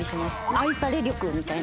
「愛され力」みたいな。